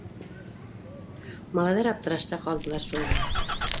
Малайҙар аптырашта ҡалдылар шулай ҙа.